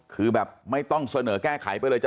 คือแบบไม่ต้องเสนอแก้ไขไปเลย